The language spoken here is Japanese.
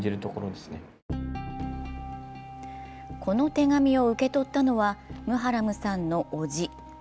この手紙を受け取ったのはムハラムさんのおじ。